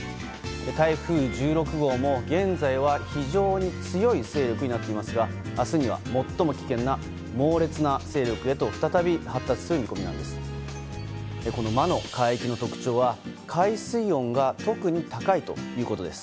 台風１６号も現在は非常に強い勢力になっていますが明日には最も危険な猛烈な勢力へと再び発達する見込みなんです。